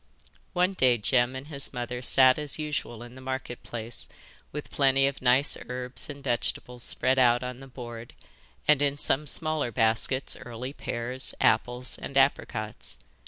One day Jem and his mother sat as usual in the Market Place with plenty of nice herbs and vegetables spread out on the board, and in some smaller baskets early pears, apples, and apricots.